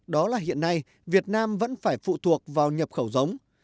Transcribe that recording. đó là hiện nay việt nam vẫn phải phụ thuộc vào nhập khẩu giống